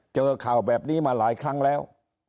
เจอข่าวแบบนี้มาหลายครั้งแล้ว